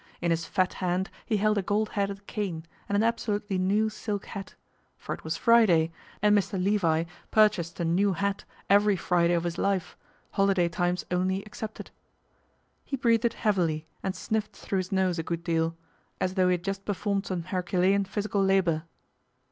In his fat hand he held a gold headed cane, and an absolutely new silk hat for it was Friday, and Mr Levi purchased a new hat every Friday of his life, holiday times only excepted. He breathed heavily and sniffed through his nose a good deal, as though he had just performed some Herculean physical labour.